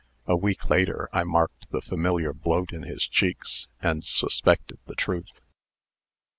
A week later, I marked the familiar bloat in his cheeks, and suspected the truth.